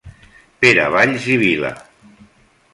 Pere Valls i Vila.